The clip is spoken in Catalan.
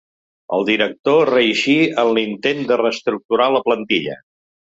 El director reeixí en l'intent de reestructurar la plantilla.